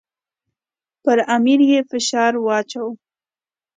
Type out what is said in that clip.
پر امیر یې فشار اچاوه.